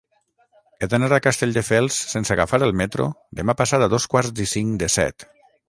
He d'anar a Castelldefels sense agafar el metro demà passat a dos quarts i cinc de set.